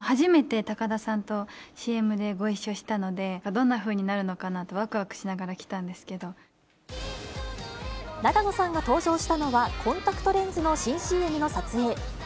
初めて高田さんとＣＭでご一緒したので、どんなふうになるのかなと、わくわくしながら来たん永野さんが登場したのは、コンタクトレンズの新ＣＭの撮影。